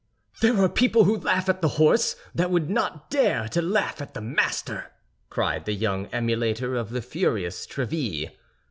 "There are people who laugh at the horse that would not dare to laugh at the master," cried the young emulator of the furious Tréville.